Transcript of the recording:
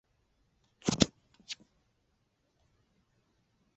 非甾体抗雄药不会降低雌激素水平。